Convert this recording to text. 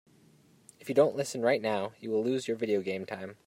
If you don't listen right now, you will lose your video game time.